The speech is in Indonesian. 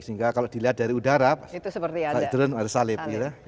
sehingga kalau dilihat dari udara itu seperti ada salib